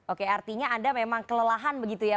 oke artinya anda memang kelelahan begitu ya